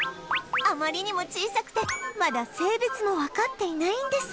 あまりにも小さくてまだ性別もわかっていないんですって